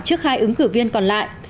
trước hai ứng cử viên còn lại